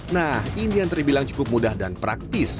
nah ini yang terbilang cukup mudah dan praktis